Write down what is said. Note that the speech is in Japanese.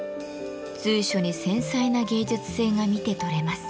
随所に繊細な芸術性が見て取れます。